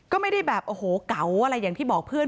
ก็ไม่ได้แบบโอ้โหเก๋าอะไรอย่างที่บอกเพื่อน